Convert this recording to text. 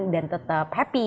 dan tetap happy